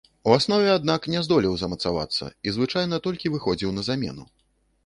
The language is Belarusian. У аснове, аднак, не здолеў замацавацца і звычайна толькі выхадзіў на замену.